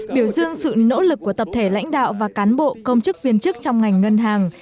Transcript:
biểu dương sự nỗ lực của tập thể lãnh đạo và cán bộ công chức viên chức trong ngành ngân hàng